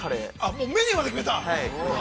◆もうメニューまで決めた？